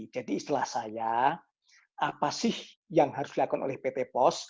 jadi istilah saya apa sih yang harus dilakukan oleh pt pos